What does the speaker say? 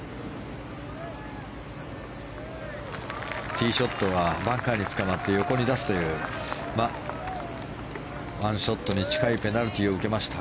ティーショットはバンカーにつかまって横に出すという１ショットに近いペナルティーを受けました。